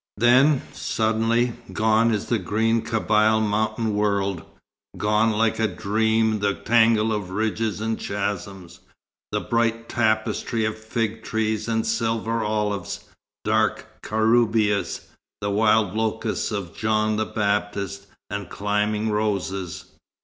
Then, suddenly, gone is the green Kabyle mountain world, gone like a dream the tangle of ridges and chasms, the bright tapestry of fig trees and silver olives, dark karoubias (the wild locusts of John the Baptist) and climbing roses.